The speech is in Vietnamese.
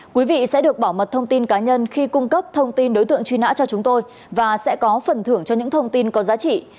quý vị sẽ được bảo mật thông tin cá nhân khi cung cấp thông tin đối tượng truy nã cho chúng tôi và sẽ có phần thưởng cho những thông tin có giá trị